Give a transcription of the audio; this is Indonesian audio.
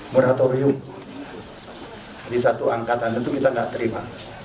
moratorium di satu angkatan tentu kita tidak terima